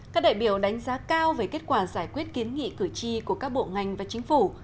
các đại biểu đánh giá cao về kết quả giải quyết kiến nghị cử tri của các bộ ngành và chính phủ